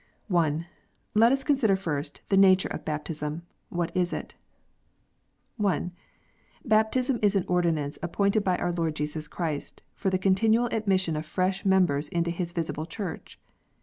I. Let us consider first the nature of baptism, what is it ? (1) Baptism is an ordinance appointed by our Lord Jesus Christ, for the continual admission of fresh members into His visible Church.